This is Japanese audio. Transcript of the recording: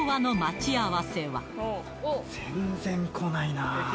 全然来ないな。